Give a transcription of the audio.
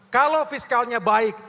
kalau fiskalnya baik